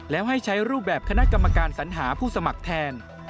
แล้วให้ใช้รูปแบบคณะกรรมการสัญหาผู้สมัครแทน